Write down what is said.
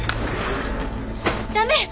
駄目！